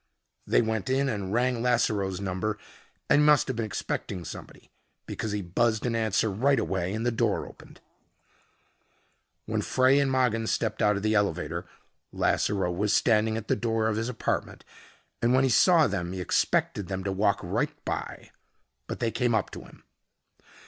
They went in and rang Lasseroe's number and he must have been expecting somebody because he buzzed an answer right away and the door opened. When Frey and Mogin stepped out of the elevator, Lasseroe was standing at the door of his apartment and when he saw them he expected them to walk right by. But they came up to him.